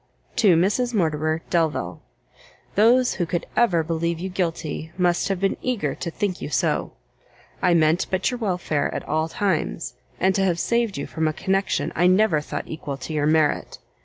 To Mrs Mortimer Delvile. Those who could ever believe you guilty, must have been eager to think you so. I meant but your welfare at all times, and to have saved you from a connection I never thought equal to your merit.